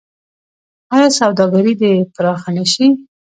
آیا سوداګري دې پراخه نشي؟